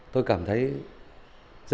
tôi cảm thấy rất vui